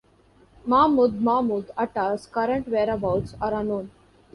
Mahmoud Mahmoud Atta's current whereabouts are unknown.